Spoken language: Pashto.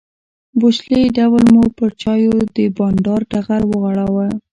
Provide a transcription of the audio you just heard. بوشلې ډول مو پر چایو د بانډار ټغر وغوړاوه.